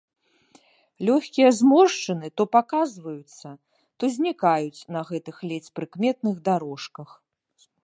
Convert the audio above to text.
Лёгкія зморшчыны то паказваюцца, то знікаюць на гэтых ледзь прыкметных дарожках.